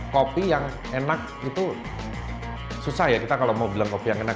kopi yang enak itu susah ya kita kalau mau bilang kopi yang enak